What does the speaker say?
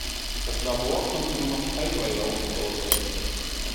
Das Labor konnte nur noch teilweise aufgebaut werden.